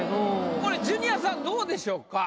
これジュニアさんどうでしょうか？